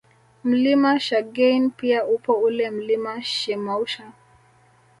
Mlima Shagein pia upo ule Mlima Shemausha